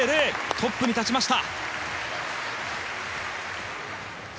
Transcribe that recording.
トップに立ちました。